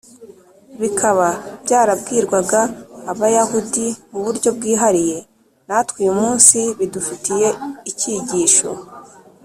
bikaba byarabwirwaga abayahudi mu buryo bwihariye, natwe uyu munsi bidufitiye icyigisho